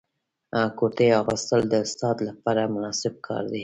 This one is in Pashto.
کرتۍ اغوستل د استاد لپاره مناسب کار دی.